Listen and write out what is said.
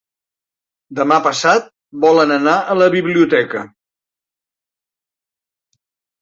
Demà passat volen anar a la biblioteca.